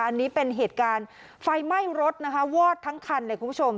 อันนี้เป็นเหตุการณ์ไฟไหม้รถนะคะวอดทั้งคันเลยคุณผู้ชม